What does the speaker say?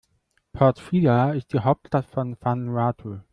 Port Vila ist die Hauptstadt von Vanuatu.